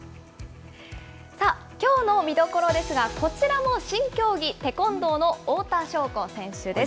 さあ、きょうの見どころですが、こちらも新競技、テコンドーの太田渉子選手です。